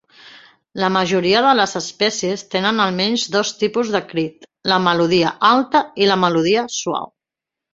La majoria de les espècies tenen almenys dos tipus de crit, la "melodia alta" i la "melodia suau".